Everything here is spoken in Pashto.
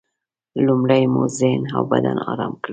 لومړی مو ذهن او بدن ارام کړئ.